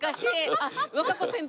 あっ和歌子先輩